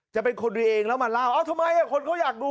จะเป็นคนดูเองแล้วมาเล่าเอ้าทำไมคนเขาอยากดู